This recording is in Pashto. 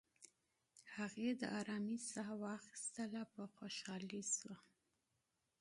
هغې د آرامی ساه واخیستل، په خوشحالۍ شوه.